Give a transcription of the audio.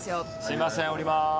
すいません降ります。